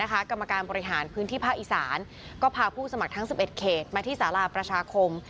กรรมการบริหารพื้นที่ภาคอีสานก็พาผู้สมัครทั้ง๑๑เขตมาที่สาราประชาคม